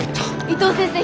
伊藤先生